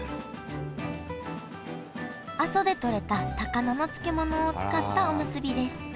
阿蘇でとれた高菜の漬物を使ったおむすびです